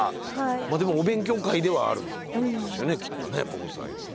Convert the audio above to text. でもお勉強会ではあるんですよねきっとね防災の。